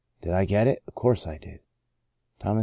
Did I get it ? Of course I did. Thomas F.